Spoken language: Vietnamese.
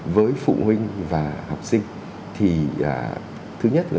với phụ huynh và học sinh thì thứ nhất là